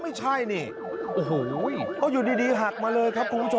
ไม่ใช่นี่โอ้โหอยู่ดีหักมาเลยครับคุณผู้ชม